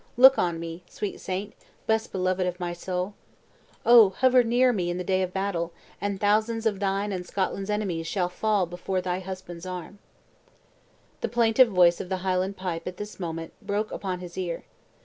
Look on me, sweet saint, best beloved of my soul; O! hover near me in the day of battle, and thousands of thine and Scotland's enemies shall fall before thy husband's arm!" The plaintive voice of the Highland pipe at this moment broke upon his ear.